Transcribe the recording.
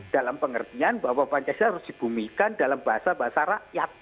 dalam pengertian bahwa pancasila harus dibumikan dalam bahasa bahasa rakyat